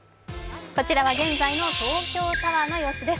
こちらは現在の東京タワーの様子です。